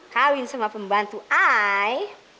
kawin sama pembantu saya